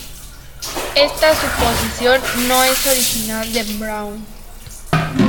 Esta suposición no es original de Brown.